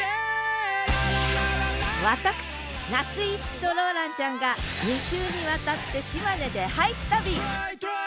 私夏井いつきとローランちゃんが２週にわたって島根で俳句旅！